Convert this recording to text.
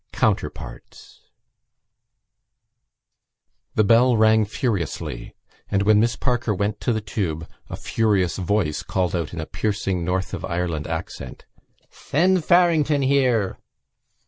COUNTERPARTS The bell rang furiously and, when Miss Parker went to the tube, a furious voice called out in a piercing North of Ireland accent: "Send Farrington here!"